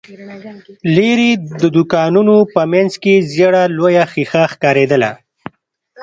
ليرې، د دوکانونو په مينځ کې ژېړه لويه ښيښه ښکارېدله.